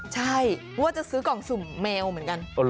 ใช่ว่าจะซื้อกล่องสุ่มแมวเหมือนกัน